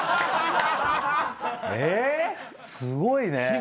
え⁉すごいね！